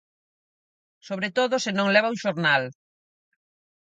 sobre todo se non leva un xornal.